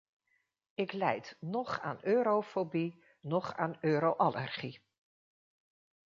Ik lijd noch aan eurofobie noch aan euroallergie.